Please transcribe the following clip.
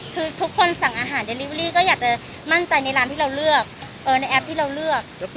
คือทุกคนสั่งอาหารเดลิเวอรี่ก็อยากจะมั่นใจในร้านที่เราเลือกในแอปที่เราเลือก